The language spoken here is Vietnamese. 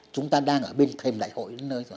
chúng ta đang ở bên thêm đại hội